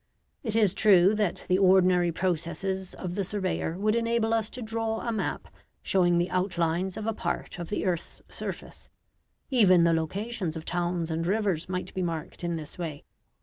It is true that the ordinary processes of the surveyor would enable us to draw a map showing the outlines of a part of the earth's surface. Even the locations of towns and rivers might be marked in this way.